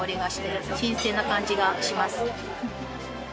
な感じがします。